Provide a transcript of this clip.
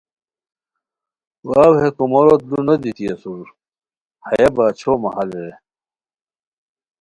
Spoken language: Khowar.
واؤ ہے کوموروت لو نو دیتی اسور ہیہ باچھو محل رے